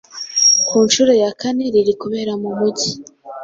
ku nshuro ya kane riri kubera mu Mujyi